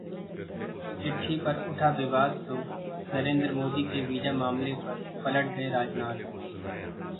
चिट्ठी पर उठा विवाद तो नरेंद्र मोदी के वीजा मामले पर पलट गए राजनाथ